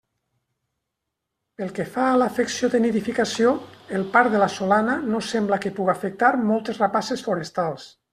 Pel que fa a l'afecció a nidificació, el parc de La Solana no sembla que puga afectar moltes rapaces forestals.